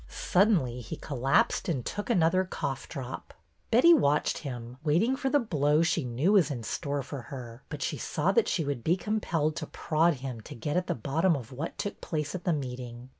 Suddenly he collapsed and took another cough drop. Betty watched him, waiting for the blow she knew was in store for her, but she saw that she would be compelled to prod him to get at the bottom of what took place at the meeting.